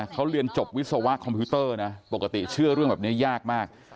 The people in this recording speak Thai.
เขาเรียนจบวิศวะคอมพิวเตอร์นะปกติเชื่อเรื่องแบบนี้ยากมาก